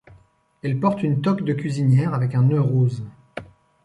Elle porte une toque de cuisinère avec un nœud rose.